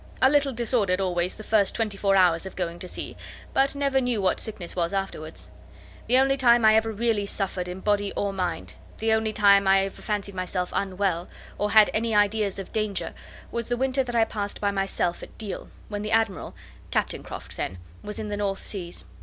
A little disordered always the first twenty four hours of going to sea, but never knew what sickness was afterwards. The only time I ever really suffered in body or mind, the only time that I ever fancied myself unwell, or had any ideas of danger, was the winter that I passed by myself at Deal, when the Admiral (Captain Croft then) was in the North Seas.